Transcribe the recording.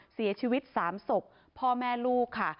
เสียชีวิต๓ศพพ่อแม่ลูกค่ะ